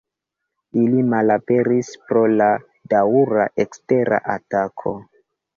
Ili malaperis pro la daŭra ekstera atako.